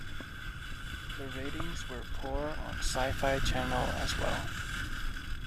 The ratings were poor on SciFi Channel as well.